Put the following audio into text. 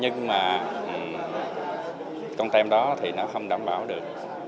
nhưng mà con tem đó thì nó không đảm bảo được